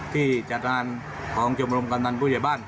ที่จัดงานของชมรมกำนันผู้ใหญ่บ้าน